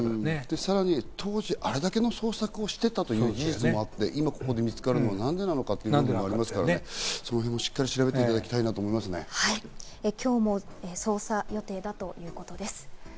さらに当時、あれだけの捜索をしていた事実もあって、今ここで見つかるのは何でなのかっていうこともありますから、その辺もしっかり調べて今日も捜査予定だということです。